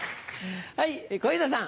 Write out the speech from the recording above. はい小遊三さん。